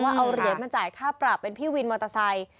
เอาเหรียญมาจ่ายค่าปรับเป็นพี่วินมอเตอร์ไซค์